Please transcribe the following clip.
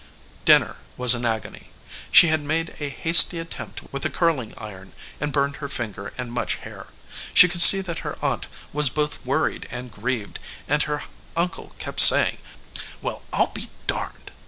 Dinner was an agony. She had made a hasty attempt with a curling iron, and burned her finger and much hair. She could see that her aunt was both worried and grieved, and her uncle kept saying, "Well, I'll be darned!"